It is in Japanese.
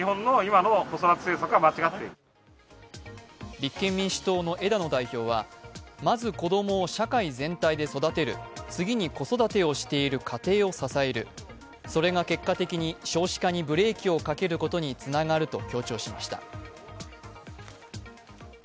立憲民主党の枝野代表は、まず子供を社会全体で育てる、次に子育てをしている家庭を支える、それが結果的に少子化にブレーキをかけることにつながると強調しました。